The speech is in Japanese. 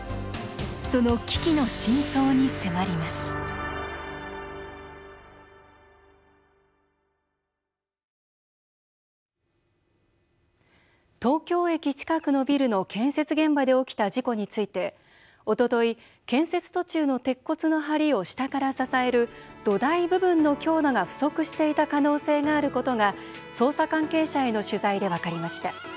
その危機の深層に迫ります東京駅近くのビルの建設現場で起きた事故についておととい、建設途中の鉄骨のはりを下から支える土台部分の強度が不足していた可能性があることが捜査関係者への取材で分かりました。